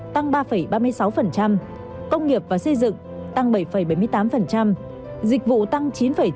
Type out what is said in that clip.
tăng ba ba mươi sáu công nghiệp và xây dựng tăng bảy bảy mươi tám dịch vụ tăng chín chín